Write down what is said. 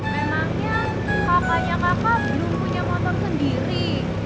memangnya kakaknya kakak belum punya motor sendiri